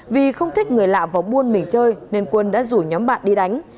vì không thích người lạ vào buôn mình chơi nên quân đã rủ nhóm bạn đi đánh